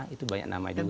itu banyak nama juga